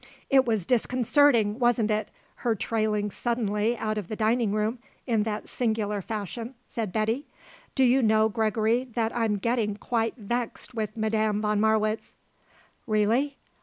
"It was disconcerting, wasn't it, her trailing suddenly out of the dining room in that singular fashion," said Betty. "Do you know, Gregory, that I'm getting quite vexed with Madame von Marwitz." "Really?